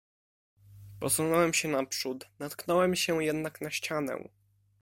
"Posunąłem się naprzód, natknąłem się jednak na ścianę."